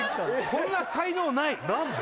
こんな才能ない何で？